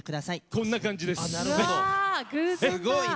こんな感じです。